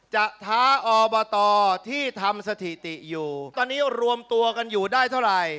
ท้าอบตที่ทำสถิติอยู่ตอนนี้รวมตัวกันอยู่ได้เท่าไหร่